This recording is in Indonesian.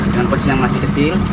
dengan posisi yang masih kecil